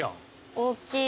大きい。